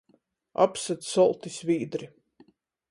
Apsyt solti svīdri.